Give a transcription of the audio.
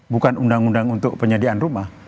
bukan undang undang untuk penyediaan rumah